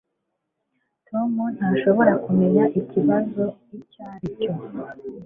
Tom ntashobora kumenya ikibazo icyo ari cyo